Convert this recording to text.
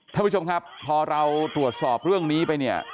ท่านผู้ชมครับพอเราตรวจสอบเรื่องนี้ไปเนี่ย